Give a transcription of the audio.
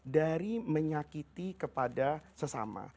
dari menyakiti kepada sesama